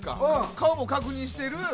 顔も確認してる。